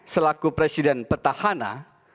selaku presiden petahana